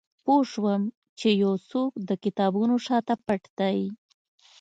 پوه شوم چې یو څوک د کتابونو شاته پټ دی